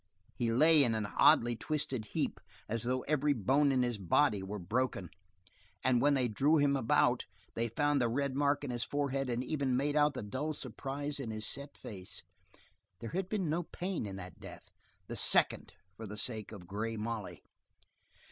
He lay in an oddly twisted heap, as though every bone in his body were broken, and when they drew him about they found the red mark in his forehead and even made out the dull surprise in his set face. There had been no pain in that death, the second for the sake of Grey Molly.